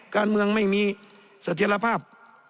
การเมืองไม่มีเสถียรภาพ